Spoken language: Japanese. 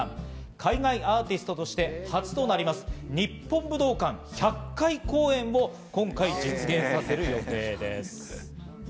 海外アーティストとして初となります日本武道館１００回公演を今回、実現させるという予定です。